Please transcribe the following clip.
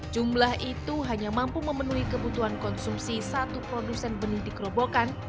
jumlah itu hanya mampu memenuhi kebutuhan konsumsi satu produsen benih di kerobokan